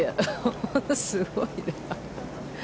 すごいね。